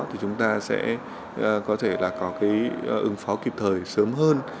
thì chúng ta sẽ có thể là có cái ứng phó kịp thời sớm hơn